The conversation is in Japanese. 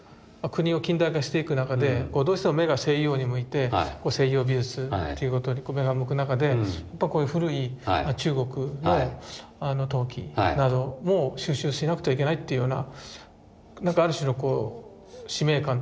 国を近代化していく中でどうしても目が西洋に向いて西洋美術っていうことに目が向く中でやっぱこういう古い中国の陶器なども収集しなくてはいけないっていうようななんかある種のこう使命感というかそういうものが。